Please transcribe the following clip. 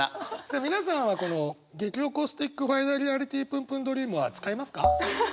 皆さんはこの激おこスティックファイナリアリティぷんぷんドリームは使いますか？